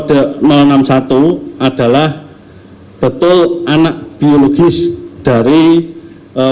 dari sini kami menimpulkan bahwa ze saya mempunyai profesional outside kamion